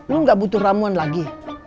lo gak butuh ramuan lagi